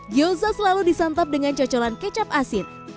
gyoza selalu disantap dengan cocolan kecap asin